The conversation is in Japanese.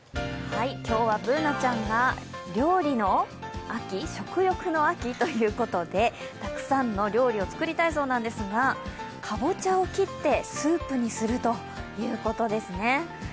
今日はＢｏｏｎａちゃんが料理の秋、食欲の秋ということで、たくさんの料理を作りたいそうなんですが、かぼちゃを切ってスープにするということですね。